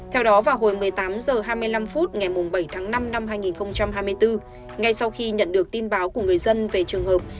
theo đó vào hồi một mươi tám h hai mươi năm phút ngày bảy tháng năm năm hai nghìn hai mươi bốn ngay sau khi nhận được tin báo của người dân về trường hợp